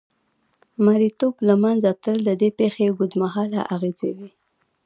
مریتوب له منځه تلل د دې پېښې اوږدمهاله اغېزې وې.